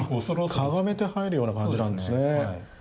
かがめて入るような感じなんですね。